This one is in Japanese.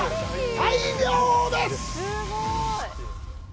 大量です！